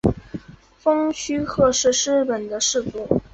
蜂须贺氏是日本的氏族。